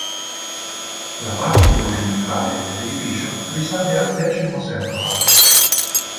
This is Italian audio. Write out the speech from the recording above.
La parte orientale dell'edificio risale al X secolo.